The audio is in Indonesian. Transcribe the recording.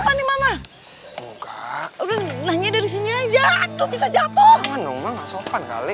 kali mama udah nanya dari sini aja tuh bisa jatuh nongang sopan kali